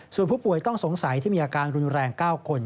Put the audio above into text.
ส่วนผู้ป่วยต้องสงสัยที่มีอาการรุนแรง๙คน